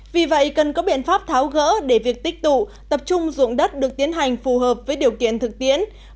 vì vậy cần có biện pháp tháo gỡ để việc tích tụ tập trung dụng đất được tiến hành phù hợp với điều kiện thực tiễn